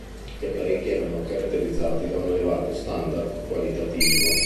Gli apparecchi erano caratterizzati da un elevato standard qualitativo.